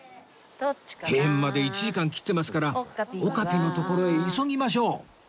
閉園まで１時間切ってますからオカピの所へ急ぎましょう！